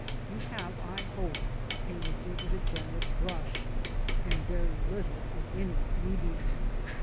You have, I hope, painted it with a generous brush, and very little, if any, medium.